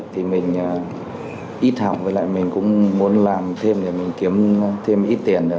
thì mình ít hỏng với lại mình cũng muốn làm thêm để mình kiếm thêm ít tiền nữa